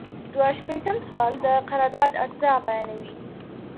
دوه شپیتم سوال د قرارداد اجزا بیانوي.